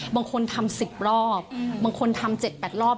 บางคนทำสิบรอบบางคนทำเจ็ดแปดรอบ